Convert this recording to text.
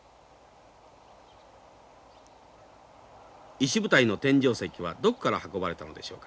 石舞台の天井石はどこから運ばれたのでしょうか。